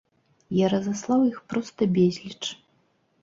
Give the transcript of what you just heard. Я разаслаў іх проста безліч.